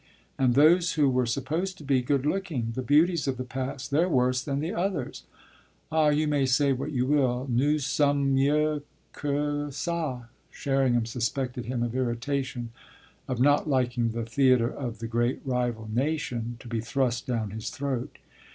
And those who were supposed to be good looking the beauties of the past they're worse than the others. Ah you may say what you will, nous sommes mieux que ça!" Sherringham suspected him of irritation, of not liking the theatre of the great rival nation to be thrust down his throat.